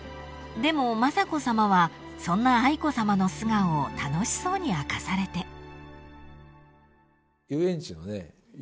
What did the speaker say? ［でも雅子さまはそんな愛子さまの素顔を楽しそうに明かされて］